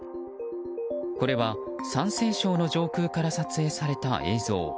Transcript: これは山西省の上空から撮影された映像。